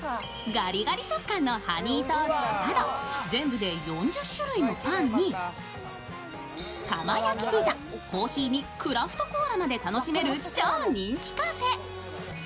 ガリガリ食感のハニートーストなど全部で４０種類のパンに窯焼きピザ、コーヒーにクラフトコーラまで楽しめる超人気カフェ。